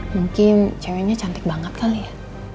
mungkin ceweknya cantik banget kali ya